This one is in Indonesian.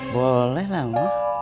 boleh lah ma